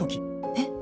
えっ！